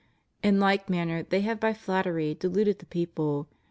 In like manner they have by flattery deluded the people.